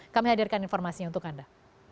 kami hadirkan informasinya untuk anda